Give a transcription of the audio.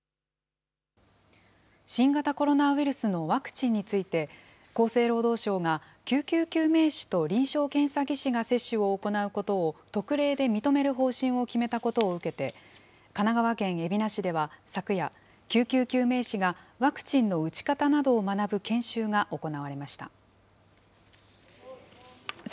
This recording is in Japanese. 新型コロナウイルスのワクチンについて、厚生労働省が救急救命士と臨床検査技師が接種を行うことを特例で認める方針を決めたことを受けて、神奈川県海老名市では昨夜、救急救命士がワクチンの打ち方などを学ぶ研修が行われました。